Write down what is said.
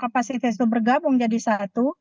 dalam semua kapasitas itu bergabung jadi satu